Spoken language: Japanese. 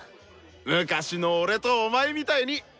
昔の俺とお前みたいに！